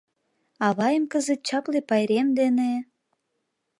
Авайым кызыт чапле пайрем дене...